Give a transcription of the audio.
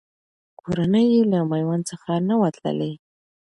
کورنۍ یې له میوند څخه نه وه تللې.